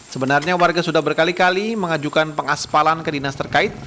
sebenarnya warga sudah berkali kali mengajukan pengaspalan ke dinas terkait